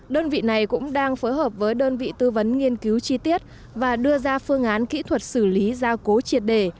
đơn vị này cũng đang phối hợp với đơn vị tư vấn nghiên cứu chi tiết và đưa ra phương án kỹ thuật xử lý gia cố triệt đề